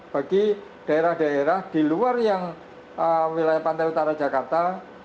bagi daerah daerah di luar yang wilayah pantai utara jakarta